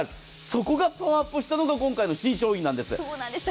そこがパワーアップしたのが今回の新商品なんです。